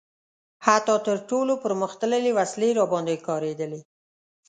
حتی تر ټولو پرمختللې وسلې راباندې کارېدلي.